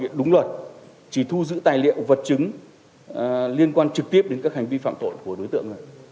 thực hiện đúng luật chỉ thu giữ tài liệu vật chứng liên quan trực tiếp đến các hành vi phạm tội của đối tượng này